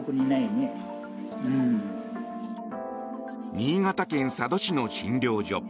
新潟県佐渡市の診療所。